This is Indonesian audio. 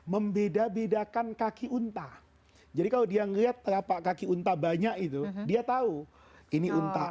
membeda bedakan kaki unta jadi kalau dia melihat telapak kaki unta banyak itu dia tahu ini unta